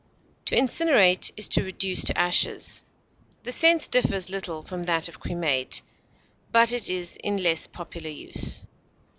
To incinerate is to reduce to ashes; the sense differs little from that of cremate, but it is in less popular use.